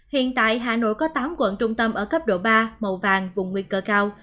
hiện tại hà nội có tám quận trung tâm ở cấp độ ba màu vàng vùng nguy cơ cao